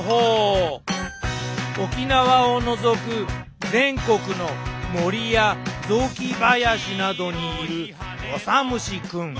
沖縄を除く全国の森や雑木林などにいるオサムシくん。